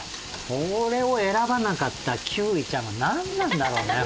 これを選ばなかった休井ちゃんはなんなんだろうね？